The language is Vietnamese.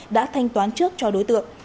đã thanh toán trước cho đối tượng